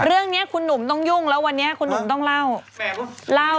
เรื่องนี้คุณหนุ่มต้องยุ่งแล้ววันนี้คุณหนุ่มต้องเล่าเล่า